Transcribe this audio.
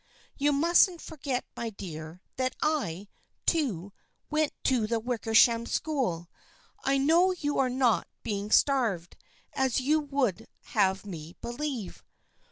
You mustn't forget, my dear, that I, too, went to the Wicker sham School. I know you are not being starved, as you would have me believe."